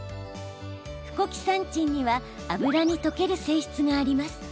フコキサンチンには油に溶ける性質があります。